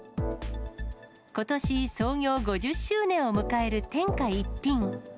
ことし創業５０周年を迎える天下一品。